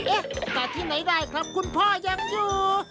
ตัดที่ไหนได้ครับคุณพ่อยังอยู่